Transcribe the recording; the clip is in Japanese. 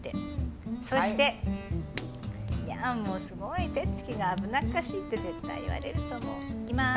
そしてやんもうすごい手つきが危なっかしいって絶対言われると思う。いきます。